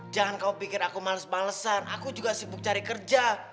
jangan kau pikir aku males malesan aku juga sibuk cari kerja